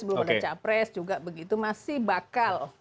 belum ada capres juga begitu masih bakal